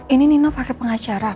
ini nino pakai pengacara